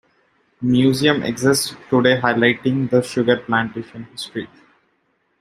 A museum exists today highlighting the sugar plantation history.